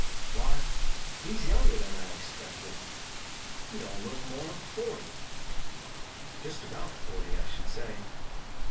"Why, he's younger than I expected. He don't look more'n forty." "Just about forty, I should say.